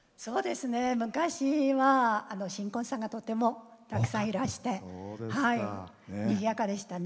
昔は新婚さんが、とてもたくさんいらしてにぎやかでしたね。